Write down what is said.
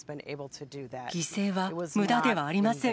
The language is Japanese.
犠牲はむだではありません。